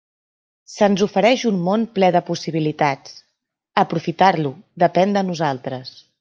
Se'ns ofereix un món ple de possibilitats; aprofitar-lo depèn de nosaltres.